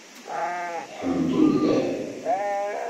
Ḥemddulah.